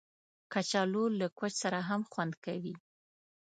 کچالو له کوچ سره هم خوند کوي